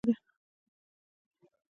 دا د پانګوال د شتمنۍ لویه او اصلي سرچینه ده